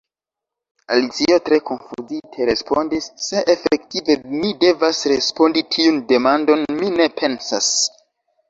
Alicio, tre konfuzite, respondis: "Se efektive mi devas respondi tiun demandon, mi ne pensas."